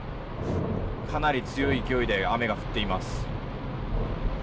かなり強い勢いで雨が降っています。